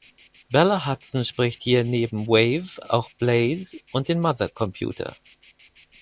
Bella Hudson spricht hier neben Wave auch Blaze und den Mother Computer.